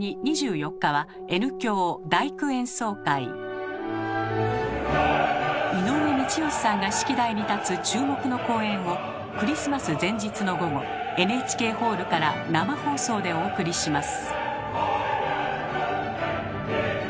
更に井上道義さんが指揮台に立つ注目の公演をクリスマス前日の午後ＮＨＫホールから生放送でお送りします。